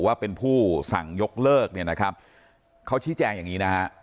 ว่าเป็นผู้สั่งยกเลิกเนี่ยนะครับเขาชี้แจงอย่างนี้นะฮะ